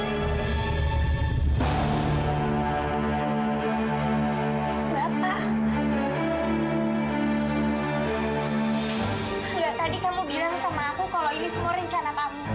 enggak tadi kamu bilang sama aku kalau ini semua rencana kamu